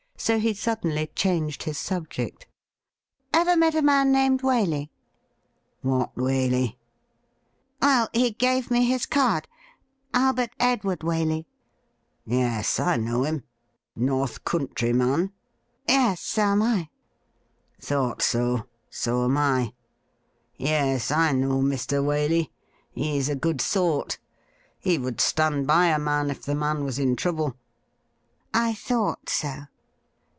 So he suddenly changed his subject. ' Ever met a man named Waley .''' 'WhatWaley.?' ' Well, he gave me his card — Albert Edward Waley.' ' Yes, I know him. North Country man ?'' Yes ; so am I.' ' Thought so ; so am I. Yes, I know Mr. Waley. He's a good sort. He would stand by a man if the man was in trouble.' ' I thought so.'